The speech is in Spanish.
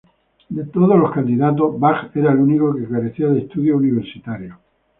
De todos los candidatos, Bach era el único que carecía de estudios universitarios.